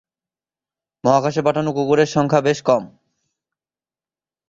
মহাকাশে পাঠানো কুকুরের সংখ্যা বেশ কম।